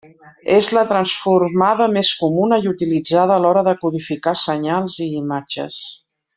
És la transformada més comuna i utilitzada a l'hora de codificar senyals i imatges.